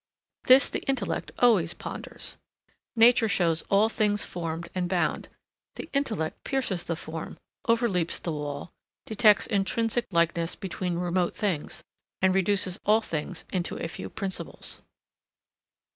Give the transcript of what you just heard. This the intellect always ponders. Nature shows all things formed and bound. The intellect pierces the form, overleaps the wall, detects intrinsic likeness between remote things and reduces all things into a few principles.